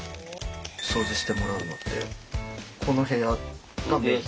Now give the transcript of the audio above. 掃除してもらうのってこの部屋がメイン？